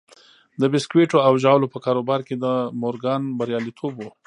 د بيسکويټو او ژاولو په کاروبار کې د مورګان برياليتوب و.